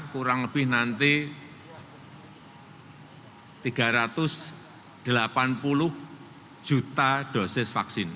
kurang lebih nanti tiga ratus delapan puluh juta dosis vaksin